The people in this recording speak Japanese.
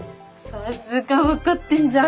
さすが分かってんじゃん。